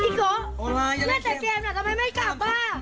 อีกหรอกแม่แต่เกมแน่ทำไมไม่กลับว่ะ